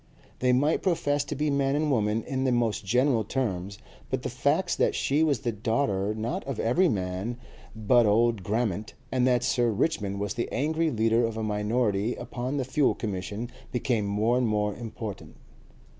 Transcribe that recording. They might profess to be Man and Woman in the most general terms, but the facts that she was the daughter not of Everyman but old Grammont and that Sir Richmond was the angry leader of a minority upon the Fuel Commission became more and more important.